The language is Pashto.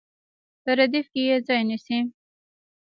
په ردیف کې یې ځای نیسي.